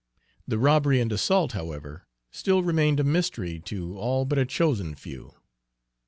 The robbery and assault, however, still remained a mystery to all but a chosen few.